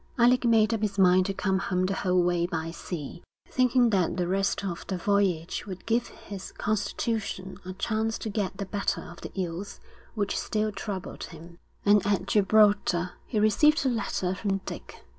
Alec made up his mind to come home the whole way by sea, thinking that the rest of the voyage would give his constitution a chance to get the better of the ills which still troubled him; and at Gibraltar he received a letter from Dick.